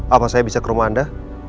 apa saya bisa ke rumah anda